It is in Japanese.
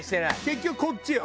結局こっちよ。